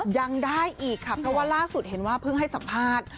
ยังได้อีกค่ะเพราะว่าล่าสุดเห็นว่าเพิ่งให้สัมภาษณ์